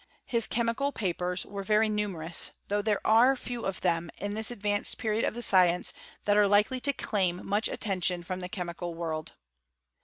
His chemical papers were very numerous; though there are few of them, in this advanced period of the science that are likely to claim much attention from the chemical world.